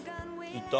いった？